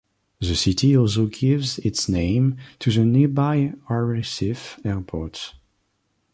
The city also gives its name to the nearby Arrecife Airport.